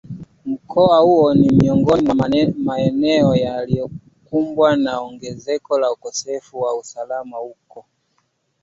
Mkoa huo ni miongoni mwa maeneo yaliyokumbwa na ongezeko la ukosefu wa usalama huku